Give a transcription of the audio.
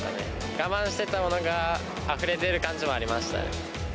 我慢していたものがあふれ出る感じはありましたね。